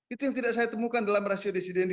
itu yang tidak saya temukan dalam rasio desidendi